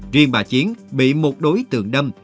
riêng bà chiến bị một đối tượng đâm